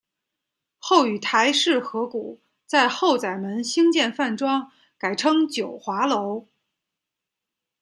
后与邰氏合股在后宰门兴建饭庄改称九华楼。